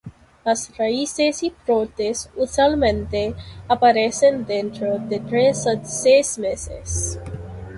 Las raíces y brotes usualmente aparecen dentro de tres a seis meses.